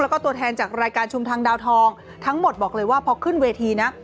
แล้วก็ตัวแทนจากรายการชุมทางดาวทองทั้งหมดบอกเลยว่าพอขึ้นเวทีนะ